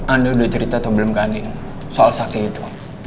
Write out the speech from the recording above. anda udah cerita atau belum ke andin soal saksi itu